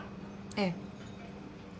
ええ。